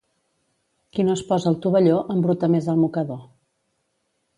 Qui no es posa el tovalló embruta més el mocador.